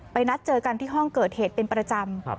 นัดเจอกันที่ห้องเกิดเหตุเป็นประจำ